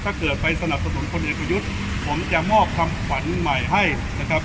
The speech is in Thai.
ถ้าเกิดไปสนับสนุนคนเอกประยุทธ์ผมจะมอบคำขวัญใหม่ให้นะครับ